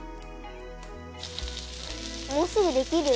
もうすぐできる？